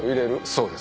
そうです。